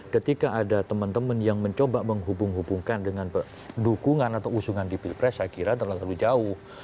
ketika ada teman teman yang mencoba menghubung hubungkan dengan dukungan atau usungan di pilpres saya kira terlalu jauh